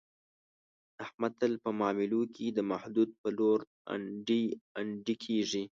احمد تل په معاملو کې، د محمود په لور انډي انډي کېږي.